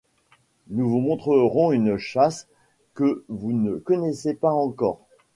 Nous vous montrerons une chasse que vous ne connaissez pas encore.